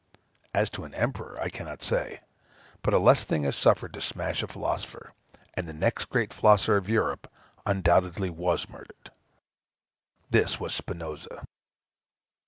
As to an emperor I cannot say, but a less thing has sufficed to smash a philosoper; and the next great philosopher of Europe undoubtedly was murdered. This was Spinosa.